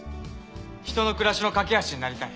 人の暮らしの架け橋になりたい。